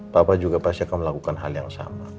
papa juga pasti akan melakukan hal yang sama